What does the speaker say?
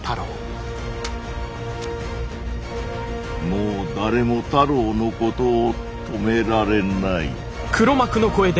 もう誰も太郎のことを止められない。